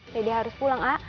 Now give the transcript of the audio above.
dede harus pulang a